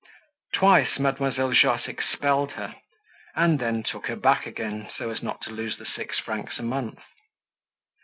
Twice Mademoiselle Josse expelled her and then took her back again so as not to lose the six francs a month.